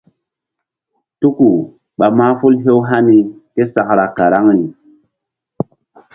Tuku ɓa mahful hew hani késakra karaŋri.